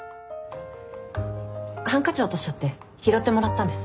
ハンカチ落としちゃって拾ってもらったんです。